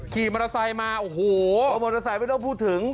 ขี่มอเตอร์ไซค์มาโอ้โหมอเตอร์ไซค์ไม่ต้องพูดถึง